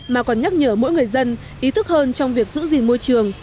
mà còn nhắc nhở mỗi người dân ý thức hơn trong việc giữ gìn môi trường